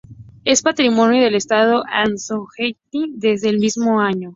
Es patrimonio del estado Anzoátegui desde el mismo año.